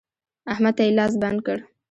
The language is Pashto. احمد ته يې لاس بند کړ.